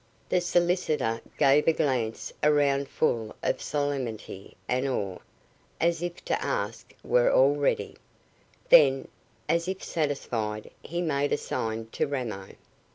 The solicitor gave a glance around full of solemnity and awe, as if to ask were all ready. Then, as if satisfied, he made a sign to Ramo.